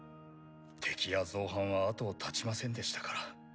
敵や造反は後を絶ちませんでしたから。